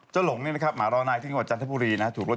เจ้าหลงนี่นะครับหมารอนายที่เมืองจันทบุรีนะครับ